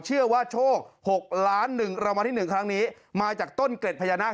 เชื่อว่าโชค๖ล้าน๑รางวัลที่๑ครั้งนี้มาจากต้นเกร็ดพญานาค